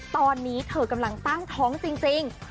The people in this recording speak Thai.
ตอนนี้เธอกำลังตั้งท้องจริง